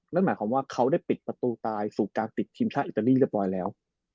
นั่นหมายความว่าเขาได้ปิดประตูตายสู่การติดทีมชาติอิตาลีเรียบร้อยแล้ว